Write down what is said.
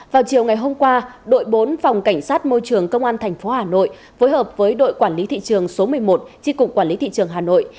vào chiều ngày hôm qua đội bốn phòng cảnh sát môi trường công an tp hà nội phối hợp với đội quản lý thị trường số một mươi một tri cục quản lý thị trường hà nội